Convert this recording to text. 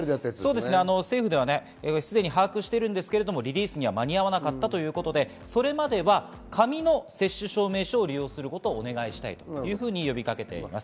政府ではすでに把握しているんですけれど、リリースには間に合わなかったということで、それまでは紙の接種証明書を利用することをお願いしたいというふうに呼びかけています。